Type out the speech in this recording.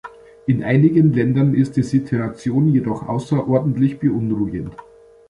In einigen Ländern ist die Situation jedoch außerordentlich beunruhigend.